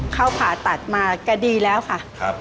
เข้าผ่าตัดมาแกดีแล้วค่ะ